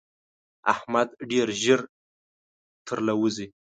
احمد ډېر ژر تر له وزي.